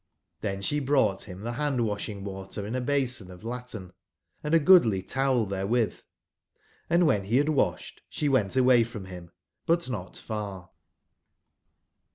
t^hen she brought him the hand washing water in a basin of latten, & a goodly towel therewith, and when he had washed she went away from h im, but not far.